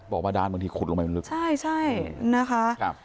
บอกว่าด้านบางทีขุดลงไปมันลึกใช่ใช่นะคะครับ